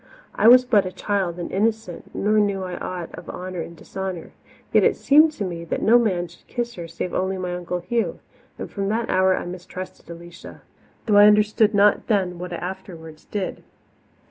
I was but a child and innocent, nor knew I aught of honour and dishonour. Yet it seemed to me that no man should kiss her save only my Uncle Hugh, and from that hour I mistrusted Alicia, though I understood not then what I afterwards did.